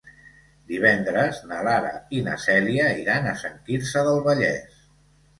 Divendres na Lara i na Cèlia iran a Sant Quirze del Vallès.